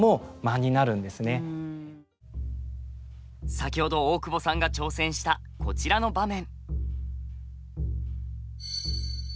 先ほど大久保さんが挑戦したこちらの場面。